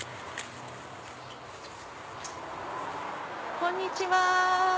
こんにちは。